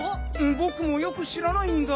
ぼくもよくしらないんだ。